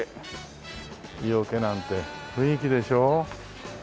湯おけなんて雰囲気でしょ。